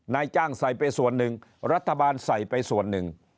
นายจ้างใส่ไปส่วนหนึ่งรัฐบาลใส่ไปส่วนหนึ่ง